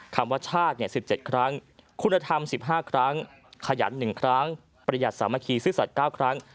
คำว่าชาติ๑๗ครั้งคุณธรรม๑๕ครั้งขยัน๑ครั้งประหยัดสามัคคีซื่อสัตว์๙ครั้ง